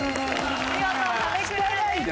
見事壁クリアです。